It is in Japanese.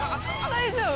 大丈夫？